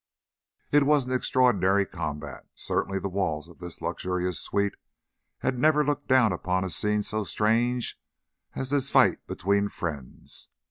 It was an extraordinary combat; certainly the walls of this luxurious suite had never looked down upon a scene so strange as this fight between friends.